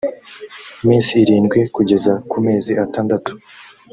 minsi irindwi kugeza ku mezi atandatu